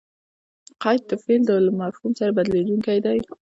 قید؛ د فعل له مفهوم سره بدلېدونکی دئ.